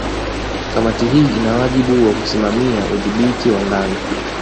Kamati hii ina wajibu wa kusimamia udhibiti wa ndani